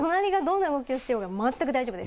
隣がどんな動きをしていようが、全く大丈夫です。